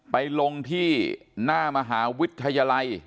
ไปลงที่หน้ามหาวิทยาลัย